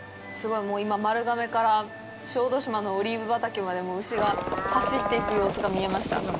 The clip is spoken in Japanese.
今、丸亀から小豆島のオリーブ畑まで牛が走っていく様子が見えました。